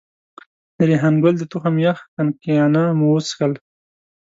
د ریحان ګل د تخم یخ خنکيانه مو وڅښل.